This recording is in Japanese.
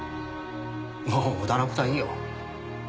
もう無駄な事はいいよ。